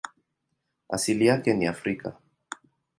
Asili yake ni Afrika.